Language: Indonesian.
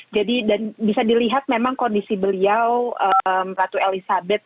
jadi dan bisa dilihat memang kondisi beliau ratu elizabeth